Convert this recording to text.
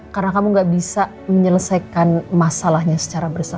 karena kamu gak bisa menyelesaikan masalahnya secara bersatu